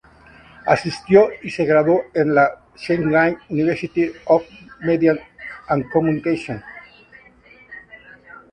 Asistió y se graduó de la Zhejiang University of Media and Communications.